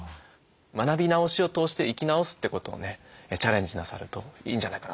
学び直しを通して生き直すってことをねチャレンジなさるといいんじゃないかなと。